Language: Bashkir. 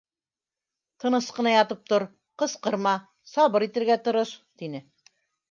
Тыныс ҡына ятып тор, ҡысҡырма, сабыр итергә тырыш, — тине.